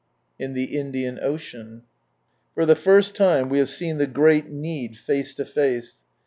In the Indian 0«rtB.—Forthe first time we have seen the great Need face to face.